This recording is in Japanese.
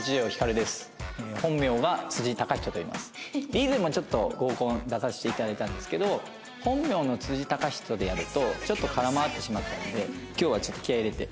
以前もちょっと合コン出させて頂いたんですけど本名の貴人でやるとちょっと空回ってしまったんで今日はちょっと気合入れて。